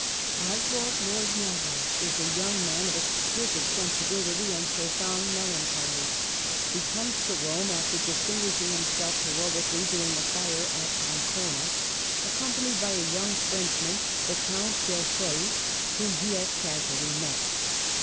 Oswald Lord Nelvil is a young man of ex quisite sensibility and profound melancholy. He comes to Rome (after distinguishing himself he roically during a fire at Ancona) accompanied by a young Frenchman, the Count D'Erfeuil, whom he has casually met.